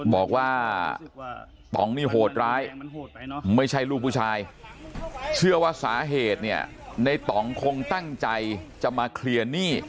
บอกว่าต่องนี่โหดร้ายไม่ใช่ลูกผู้ชายเชื่อว่าสาเหตุเนี่ยในต่องคงตั้งใจจะมาเคลียร์หนี้